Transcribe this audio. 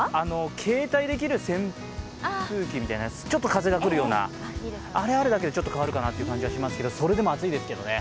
携帯できる扇風機みたいなやつ、ちょっと風が来るような、あれがあるだけでちょっと変わるかなと思いますけど、それでも暑いですけどね。